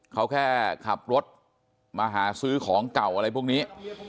เขาแค่ขับรถมาหาซื้อของเก่าอะไรพวกนี้